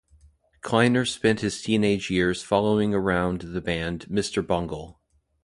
Kleiner spent his teenage years following around the band "Mr. Bungle".